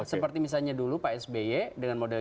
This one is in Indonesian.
seperti misalnya dulu pak sby dengan model